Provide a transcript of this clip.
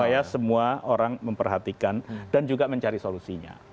supaya semua orang memperhatikan dan juga mencari solusinya